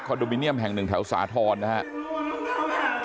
โดมิเนียมแห่งหนึ่งแถวสาธรณ์นะครับ